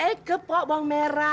eh keput va bohong merah